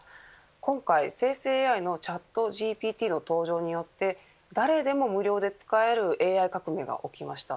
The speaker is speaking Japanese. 今回、生成ＡＩのチャットＧＰＴの登場によって誰でも無料で使えるＡＩ革命が起きました。